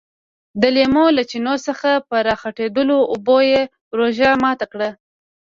د لیمو له چینو څخه په راخوټېدلو اوبو یې روژه ماته کړه.